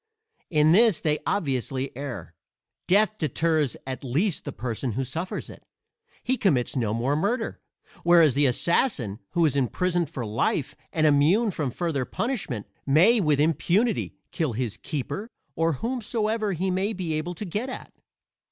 In this they obviously err: death deters at least the person who suffers it he commits no more murder; whereas the assassin who is imprisoned for life and immune from further punishment may with impunity kill his keeper or whomsoever he may be able to get at.